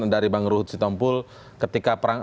dari bang ruhut sitompul ketika perang